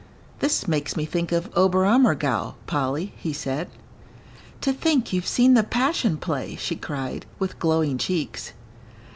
"This makes me think of Oberammergau, Polly," he said. "To think you've seen the Passion Play," she cried, with glowing cheeks.